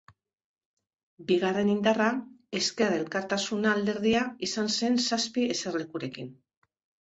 Bigarren indarra, Ezker Elkartasuna alderdia izan zen zazpi eserlekurekin.